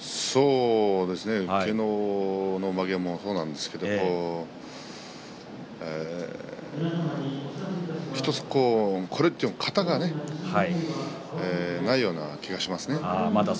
昨日の負けもそうなんですけれど１つ、これという型がねないような気がしますね。